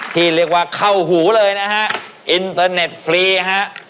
ที่เรียกว่าเข้าหูเลยนะฮะอินเตอร์เน็ตฟรีฮะ